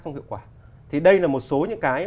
không hiệu quả thì đây là một số những cái